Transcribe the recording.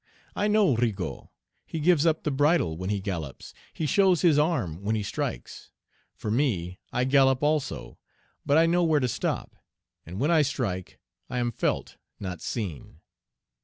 I know Rigaud; he gives up the bridle when he gallops; he shows his arm when he strikes. For me, I gallop also; but I know where to stop; and when I strike, I am felt, not seen.